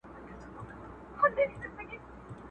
شهنشاه یمه د غرونو زه زمری یم؛